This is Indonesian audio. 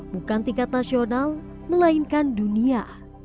bukan tingkat nasional melainkan dunia